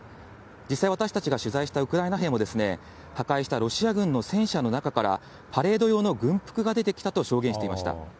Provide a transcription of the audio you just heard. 実際、私たちが取材したウクライナ兵も、破壊したロシア軍の戦車の中から、パレード用の軍服が出てきたと証言していました。